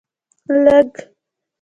لږ